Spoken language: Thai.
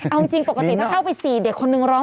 เอาจริงปกติถ้าเข้าไป๔เด็กคนนึงร้อง